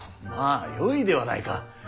まあよいではないか。